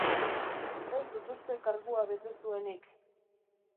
Ez dut uste kargua bete zuenik.